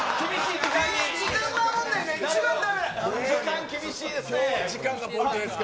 時間厳しいですね。